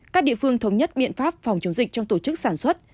các địa phương thống nhất biện pháp phòng chống dịch trong tổ chức sản xuất